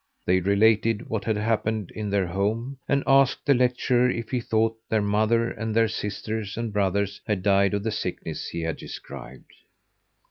They related what had happened in their home, and asked the lecturer if he thought their mother and their sisters and brothers had died of the sickness he had described.